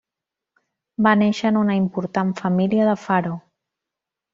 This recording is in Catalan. Va néixer en una important família de Faro.